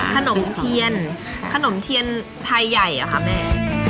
ขนมเทียนขนมเทียนไทยใหญ่เหรอคะแม่